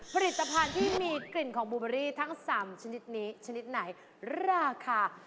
ผลิตภัณฑ์ที่มีกลิ่นของบูเบอรี่ทั้ง๓ชนิดนี้ชนิดไหนราคา